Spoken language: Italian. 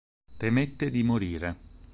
Temette di morire.